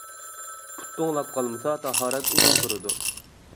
پۇت توڭلاپ قالمىسا تاھارەت ئۇزۇن تۇرىدۇ.